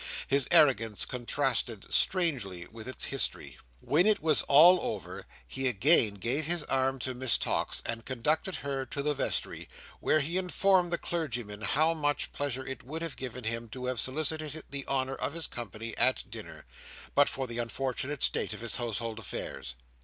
His arrogance contrasted strangely with its history. When it was all over, he again gave his arm to Miss Tox, and conducted her to the vestry, where he informed the clergyman how much pleasure it would have given him to have solicited the honour of his company at dinner, but for the unfortunate state of his household affairs.